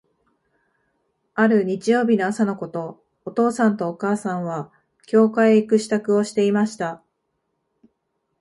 ある日曜日の朝のこと、お父さんとお母さんは、教会へ行く支度をしていました。